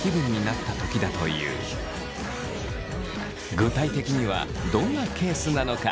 具体的にはどんなケースなのか？